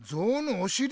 おしり！